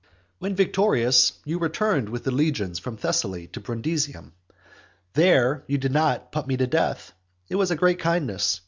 When victorious, you returned with the legions from Thessaly to Brundusium. There you did not put me to death. It was a great kindness!